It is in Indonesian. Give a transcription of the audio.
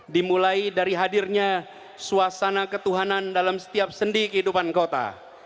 dimulai dari hadirnya suasana ketuhanan dalam setiap sendi kehidupan kota